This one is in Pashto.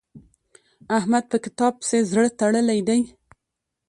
احمد په کتاب پسې زړه تړلی دی.